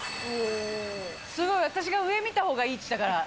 すごい、私が上見たほうがいいって言ったから。